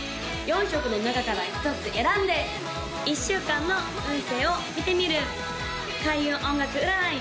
４色の中から１つ選んで１週間の運勢を見てみる開運音楽占い